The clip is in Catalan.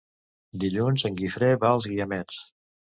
Dilluns en Guifré va als Guiamets.